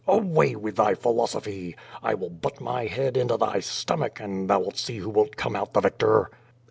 "Away with thy philosophy! 1 will butt my head into thy stomach, and thou wilt see who wilt come out the victor."